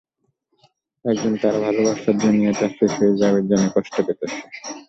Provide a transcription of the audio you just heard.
একদিন তার ভালোবাসার দুনিয়াটা শেষ হয়ে যাবে জেনে কষ্ট পেত সে।